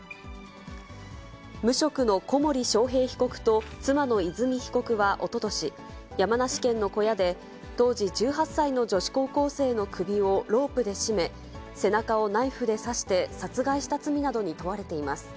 無職の小森章平被告と、妻の和美被告はおととし、山梨県の小屋で、当時１８歳の女子高校生の首をロープで絞め、背中をナイフで刺して殺害した罪などに問われています。